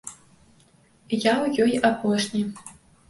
Я ў ёй апошні.